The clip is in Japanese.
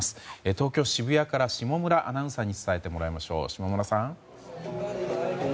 東京・渋谷から下村アナウンサーに伝えてもらいましょう。